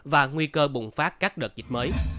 và nguy cơ bùng phát các đợt dịch mới